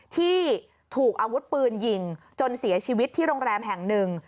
ที่ถูกอาวุธปืนยิงจนเสียชีวิตที่โรงแรมแห่งหนึ่ง